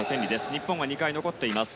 日本は２回残っています。